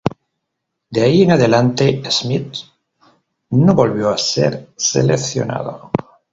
De ahí en adelante, Smith no volvió a ser seleccionado.